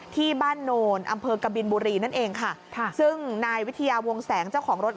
ที่บ้านโนนอำเภอกบินบุรีนั่นเองค่ะซึ่งนายวิทยาวงแสงเจ้าของรถ